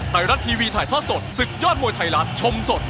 ไทรันท์ทีวีถ่ายท่อสดศึกยอดมวยไทยลันด์ชมสด